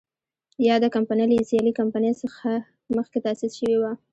یاده کمپنۍ له سیالې کمپنۍ څخه مخکې تاسیس شوې وه.